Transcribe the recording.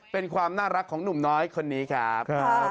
เป็นความน่ารักของหนุ่มน้อยคนนี้ครับ